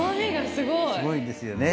すごいですよね。